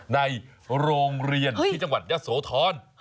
ในโรงเรียนที่จังหวัดยะโสธร